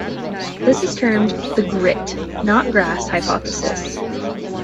This is termed the Grit, not grass hypothesis.